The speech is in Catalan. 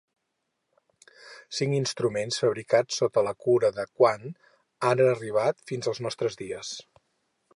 Cinc instruments fabricats sota la cura de Quant han arribat fins als nostres dies.